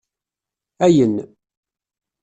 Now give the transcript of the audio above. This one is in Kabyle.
Ayen